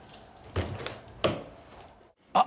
あっ。